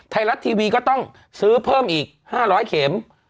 ไทยรัฐทีวีก็ต้องซื้อเพิ่มอีก๕๐๐เข็ม